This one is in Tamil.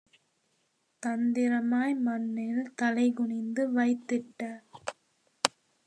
தந்திரமாய் மண்ணில் தலைகுனிந்து வைத்திட்ட